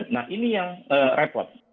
nah ini yang repot